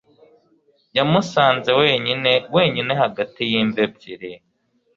yamusanze wenyine, wenyine ... hagati y'imva ebyiri